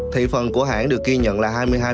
thị phần của hãng được ghi nhận là hai mươi hai